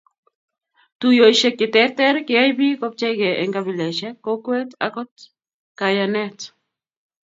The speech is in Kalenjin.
Tuyosiek che terter kiyai biik kopcheikey eng kabilesiek, kokwet ak akot kayanet